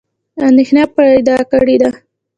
اندېښنه پیدا کړې ده.